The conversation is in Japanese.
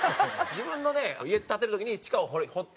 自分のね家建てる時に地下を掘って。